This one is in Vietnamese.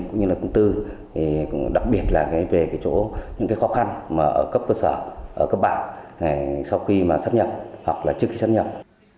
cũng như là công tư đặc biệt là về cái chỗ những cái khó khăn mà ở cấp cơ sở ở cấp bạn sau khi mà sắp nhập hoặc là trước khi sắp nhập